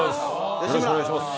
よろしくお願いします。